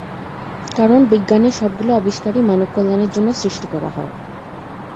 কারন বিজ্ঞানের সবগুলাে আবিষ্কারই মানব কল্যাণের জন্য সৃষ্টি করা হয়।